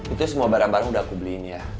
itu semua barang barang yang aku beli ini ya